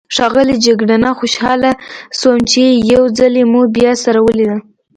ښاغلی جګړنه، خوشحاله شوم چې یو ځلي مو بیا سره ولیدل.